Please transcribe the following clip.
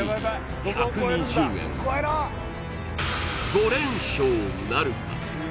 ５連勝なるか？